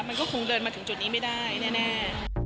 มันก็คงเดินมาถึงจุดนี้ไม่ได้แน่